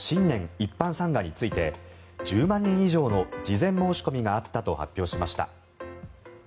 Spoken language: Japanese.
一般参賀について１０万人以上の事前申し込みがあったと発表しました。